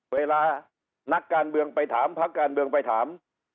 เวลานักการเมืองไปถามพักการเมืองไปถาม